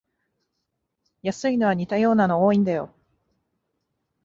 安いのは似たようなの多いんだよ